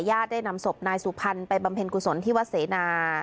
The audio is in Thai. ได้นำศพนายสุพรรณไปบำเพ็ญกุศลที่วัดเสนา